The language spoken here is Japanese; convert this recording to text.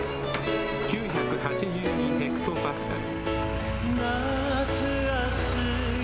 ９８２ヘクトパスカル。